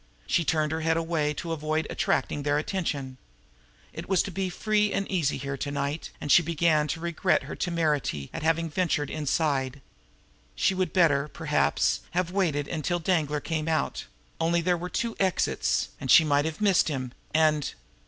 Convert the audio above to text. She turned her head away to avoid attracting their attention. It was too free and easy here to night, and she began to regret her temerity at having ventured inside; she would better, perhaps, have waited until Danglar came out only there were two exits, and she might have missed him and...